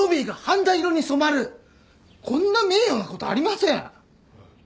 こんな名誉なことありません！